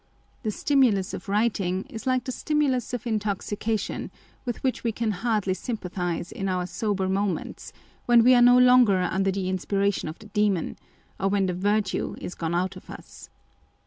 The stimulus of writing is like the stimulus of intoxication, with which we can hardly sympathise in our sober moments, when we are no longer under the inspiration of the demon, or when the virtue is gone out of us.